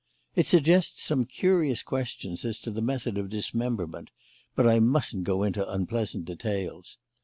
It suggests some curious questions as to the method of dismemberment; but I mustn't go into unpleasant details.